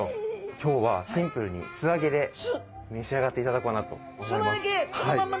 今日はシンプルに素揚げで召し上がっていただこうかなと思います。